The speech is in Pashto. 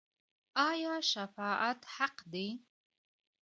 آیا شفاعت حق دی؟